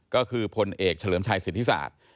ก็คือพเเฉลิมชัยศิลธิษศาสตร์